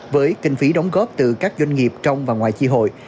với kinh phí đóng góp từ các doanh nghiệp trong và ngoài tri hội